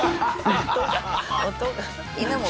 音が。